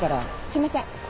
すいません。